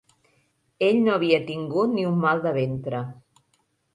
Ell no havia tingut ni un mal de ventre